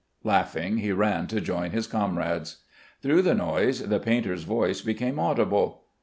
Laughing, he ran to join his comrades. Through the noise the painter's voice became audible.